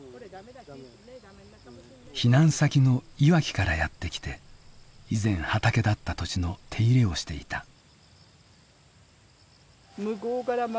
避難先のいわきからやって来て以前畑だった土地の手入れをしていた。